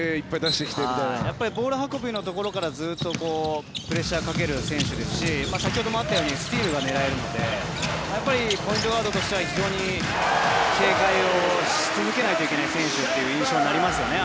ボール運びのところからずっとプレッシャーをかける選手ですし先ほどもあったようにスチールが狙えるのでポイントガードとしては非常に警戒し続けないといけない選手という印象になりますね。